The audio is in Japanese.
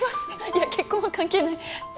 いや結婚は関係ない。